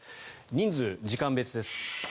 人数、時間別です。